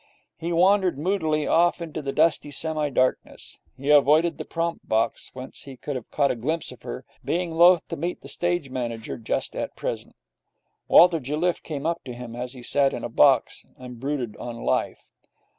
He wandered moodily off into the dusty semi darkness. He avoided the prompt box, whence he could have caught a glimpse of her, being loath to meet the stage manager just at present. Walter Jelliffe came up to him, as he sat on a box and brooded on life.